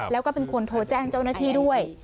แล้วก็เป็นคนโทรแจ้งเจ้าหน้าที่ด้วย